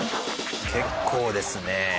結構ですね。